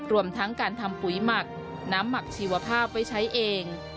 รวมทั้งการทำปุ๋ยหมักน้ำหมักชีวภาพไว้ใช้เอง